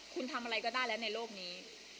คุณทำอะไรก็ได้แล้วในโลกนี้